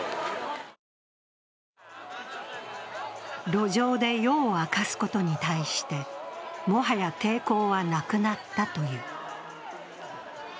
路上で夜を明かすことに対して、もはや抵抗はなくなったという。